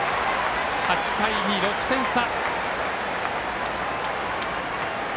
８対２、６点差。